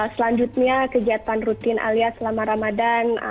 selanjutnya kegiatan rutin alias selama ramadan